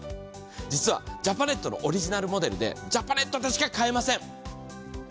実はジャパネットのオリジナルモデルでジャパネットでしか買えません。